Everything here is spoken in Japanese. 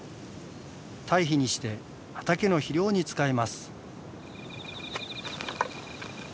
堆肥にして畑の肥料に使います。